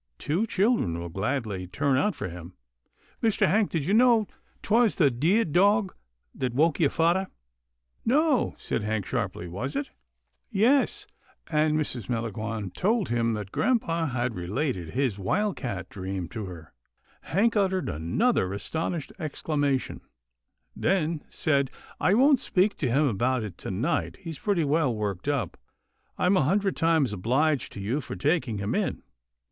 Two children will gladly turn out for him — Mr. Hank, did you know 'twas the deah dog that woke your fathah ?" "No," said Hank sharply, "was it?" " Yes," and Mrs. Melangon told him that grampa had related his wildcat dream to her. Hank uttered another astonished exclamation, then said, " I won't speak to him about it to night. He's pretty well worked up — I'm a hundred times obliged to you for taking him in.